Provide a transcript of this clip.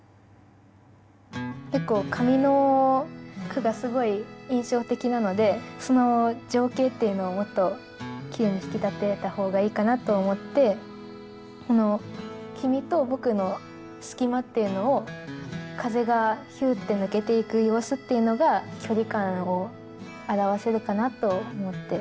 結構上の句がすごい印象的なのでその情景っていうのをもっときれいに引き立てた方がいいかなと思って君と僕の隙間っていうのを風がヒューッて抜けていく様子っていうのが距離感を表せるかなと思って。